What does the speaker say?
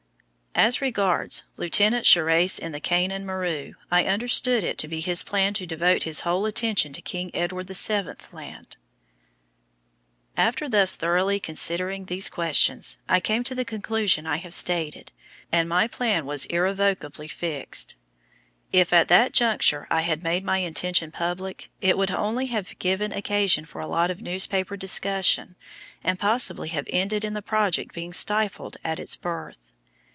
As regards Lieutenant Shirase in the Kainan Maru, I understood it to be his plan to devote his whole attention to King Edward VII. Land. After thus thoroughly considering these questions, I came to the conclusions I have stated, and my plan was irrevocably fixed. If at that juncture I had made my intention public, it would only have given occasion for a lot of newspaper discussion, and possibly have ended in the project being stifled at its birth.